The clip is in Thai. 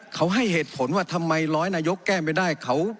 เขาให้เหตุผลว่าทำไมร้อยนายกแก้ไม่ได้